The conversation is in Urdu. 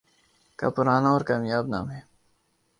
کا پرانا اور کامیاب نام ہے